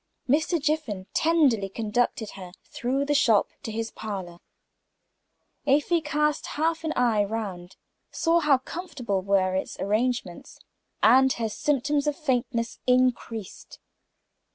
Mr. Jiffin tenderly conducted her through the shop to his parlor. Afy cast half an eye round, saw how comfortable were its arrangements, and her symptoms of faintness increased.